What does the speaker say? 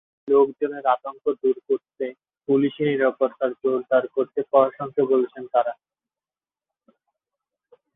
লোকজনের আতঙ্ক দূর করতে পুলিশি নিরাপত্তা জোরদার করতে প্রশাসনকে বলেছেন তাঁরা।